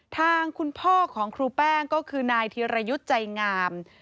ทางคุณพ่อของครูแป้งก็คือนายธีรยุทธ์ใจงาม